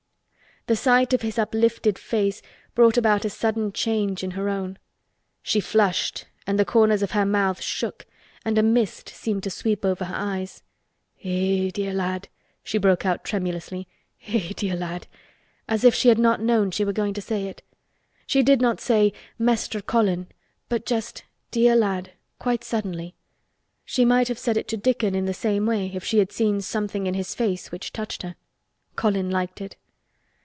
The sight of his uplifted face brought about a sudden change in her own. She flushed and the corners of her mouth shook and a mist seemed to sweep over her eyes. "Eh! dear lad!" she broke out tremulously. "Eh! dear lad!" as if she had not known she were going to say it. She did not say, "Mester Colin," but just "dear lad" quite suddenly. She might have said it to Dickon in the same way if she had seen something in his face which touched her. Colin liked it.